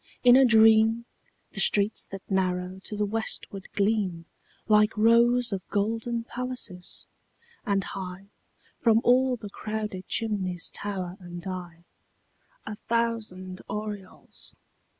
In a dream The streets that narrow to the westward gleam Like rows of golden palaces; and high From all the crowded chimneys tower and die A thousand aureoles.